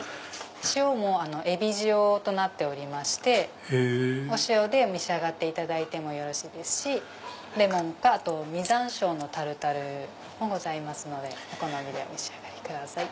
塩もえび塩となっておりましてお塩で召し上がっていただいてもよろしいですしレモンか実ざんしょうのタルタルございますのでお好みでお召し上がりください。